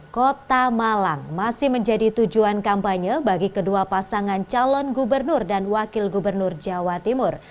kota malang masih menjadi tujuan kampanye bagi kedua pasangan calon gubernur dan wakil gubernur jawa timur